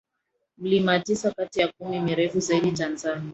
Milima tisa kati ya kumi mirefu zaidi Tanzania